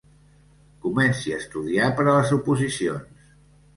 Comenci a estudiar per a les oposicions.